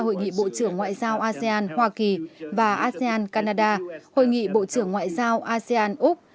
hội nghị bộ trưởng ngoại giao asean hoa kỳ và asean canada hội nghị bộ trưởng ngoại giao asean úc